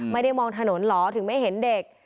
ไม่ได้มองถนนเหรอถึงไม่เห็นเด็ก